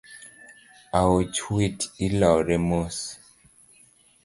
Aoch wat ilore mos